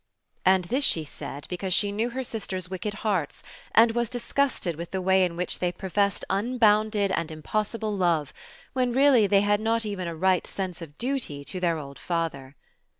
And this she said, because she knew her sisters' wicked hearts, and was disgusted with the way in which they professed un bounded and impossible love, when really they had not even a right sense of duty to their old father.